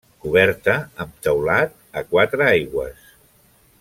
Coberta amb teulat a quatre aigües.